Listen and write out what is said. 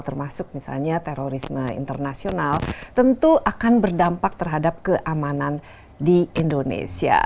termasuk misalnya terorisme internasional tentu akan berdampak terhadap keamanan di indonesia